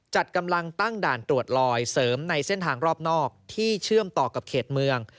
จัดกำลังตั้งด่านตรวจลอยเสริมในเส้นทางรอบนอกที่เชื่อมต่อกับเขตเมือง